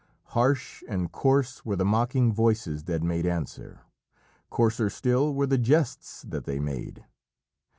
Harsh and coarse were the mocking voices that made answer. Coarser still were the jests that they made.